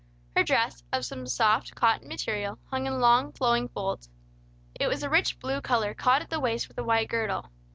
Her dress, of some soft, cotton material, hung in long flowing folds. It was a rich blue color, caught at the waist with a white girdle.